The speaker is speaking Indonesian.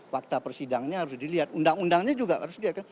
fakta persidangannya harus dilihat undang undangnya juga harus dilihat